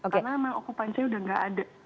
karena memang okupansi sudah nggak ada